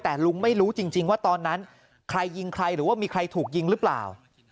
แต่ลุงไม่รู้จริงว่าตอนนั้นใครยิงใครหรือว่ามีใครถูกยิงหรือเปล่า